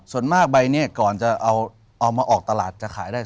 ส่วนมากใบนี้ก่อนจะเอามาออกตลาดจะขายได้